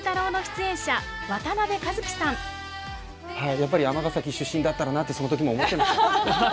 やっぱり尼崎出身だったらなってその時も思ってました。